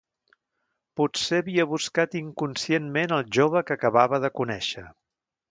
Potser havia buscat inconscientment el jove que acabava de conéixer.